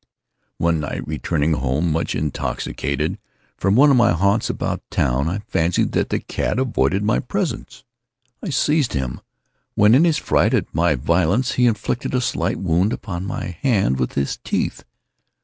One night, returning home, much intoxicated, from one of my haunts about town, I fancied that the cat avoided my presence. I seized him; when, in his fright at my violence, he inflicted a slight wound upon my hand with his teeth.